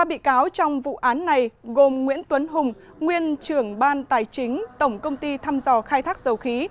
ba bị cáo trong vụ án này gồm nguyễn tuấn hùng nguyên trưởng ban tài chính tổng công ty thăm dò khai thác dầu khí